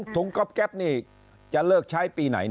เดี๋ยวถุงครอบแก๊ปนี้จะเลิกใช้ปีไหน